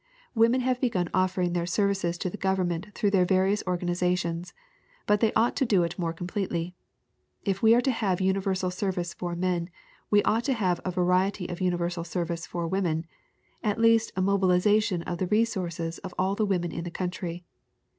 Women have begun offering their services to the government through their various organizations, but they ought to do it more completely. If we are to have universal service for men, we ought to have a variety of universal service for women at least a mobilization of the resources of all the women in the country.